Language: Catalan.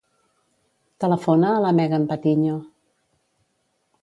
Telefona a la Megan Patiño.